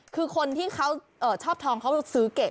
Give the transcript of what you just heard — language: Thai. คือคนที่เขาชอบทองเขาซื้อเก็บ